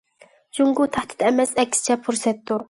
جۇڭگو تەھدىت ئەمەس، ئەكسىچە پۇرسەتتۇر.